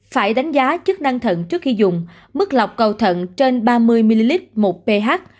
phải đánh giá chức năng thận trước khi dùng mức lọc cầu thận trên ba mươi ml một ph